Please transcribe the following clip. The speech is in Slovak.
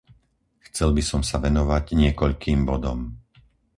Chcel by som sa venovať niekoľkým bodom.